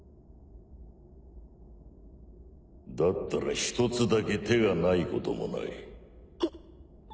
だったら一つだけ手がないこともない。